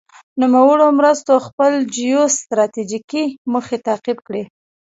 نوموړو مرستو خپل جیو ستراتیجیکې موخې تعقیب کړې.